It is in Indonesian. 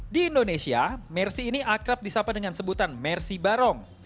di indonesia mercedes ini akrab disapa dengan sebutan mercedes baron